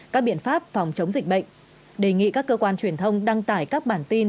các biện pháp phòng chống dịch bệnh đề nghị các cơ quan truyền thông đăng tải các bản tin